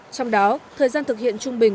trong đó thời gian thực hiện trung bình